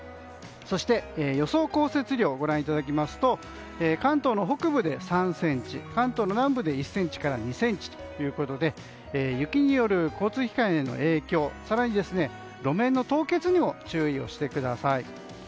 そして、予想降雪量をご覧いただきますと関東の北部で３ｃｍ関東の南部で１ｃｍから２ｃｍということで雪による交通機関への影響更には路面の凍結にも注意してください。